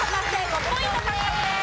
５ポイント獲得です。